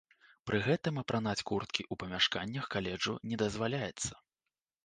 Пры гэтым апранаць курткі ў памяшканнях каледжу не дазваляецца.